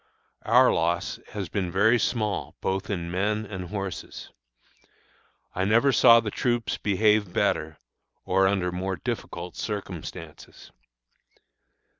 Our loss has been very small both in men and horses. I never saw the troops behave better, or under more difficult circumstances.